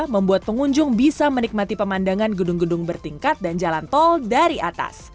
membuat pengunjung bisa menikmati pemandangan gedung gedung bertingkat dan jalan tol dari atas